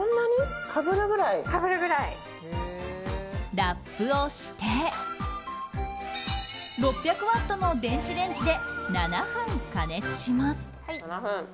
ラップをして６００ワットの電子レンジで７分加熱します。